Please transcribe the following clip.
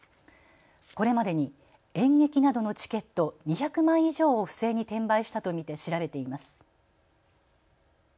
これまでに演劇などのチケット２００枚以上を不正に転売したと見て調べています。